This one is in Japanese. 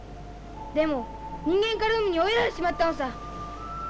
でも人間から海に追いやられてしまったのさ。